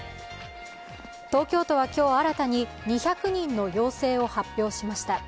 東京都は今日、新たに２００人の陽性を発表しました。